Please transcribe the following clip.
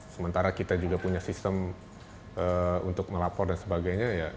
sementara kita juga punya sistem untuk melapor dan sebagainya